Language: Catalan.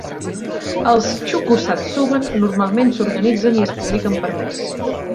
Els "Shukusatsuban" normalment s'organitzen i es publiquen per mes.